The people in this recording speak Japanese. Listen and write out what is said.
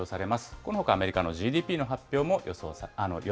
このほかアメリカのＧＤＰの発表